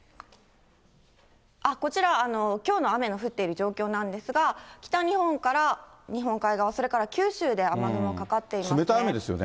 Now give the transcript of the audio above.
こちら、きょうの雨の降っている状況なんですが、北日本から日本海側、それから九州で雨雲がかかっていますね。